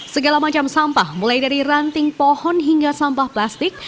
segala macam sampah mulai dari ranting pohon hingga sampah plastik